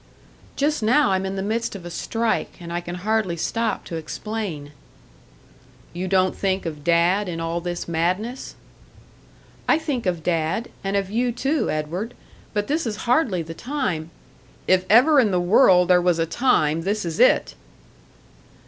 "Just now I'm in the midst of a strike, and I can hardly stop to explain." "You don't think of Dad in all this madness?" "I think of Dad, and of you too, Edward; but this is hardly the time " "If ever in the world there was a time, this is it!"